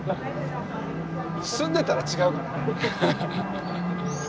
住んでたら違うからね。